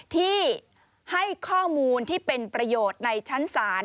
ที่ให้ข้อมูลที่เป็นประโยชน์ในชั้นศาล